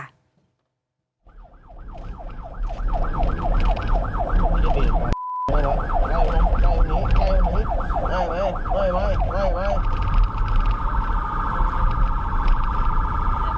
เร็วเร็ว